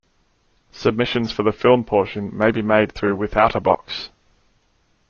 Submissions for the film portion may be made through Withoutabox.